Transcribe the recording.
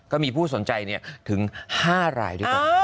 ก็มีผู้สนใจเนี่ยถึง๕รายด้วย